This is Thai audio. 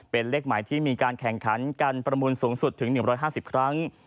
เป็นเลขหมายที่มีการแข่งขันการประมูลสูงสุดถึง๑๕๐ครั้ง